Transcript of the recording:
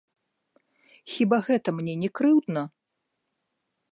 Хіба гэта мне не крыўдна?